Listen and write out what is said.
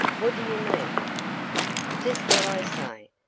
What do you mean?" "Just what I say.